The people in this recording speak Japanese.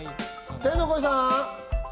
天の声さん？